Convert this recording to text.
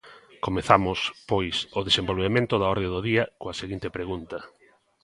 Comezamos, pois, o desenvolvemento da orde do día, coa seguinte pregunta.